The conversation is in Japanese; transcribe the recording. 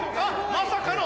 まさかの。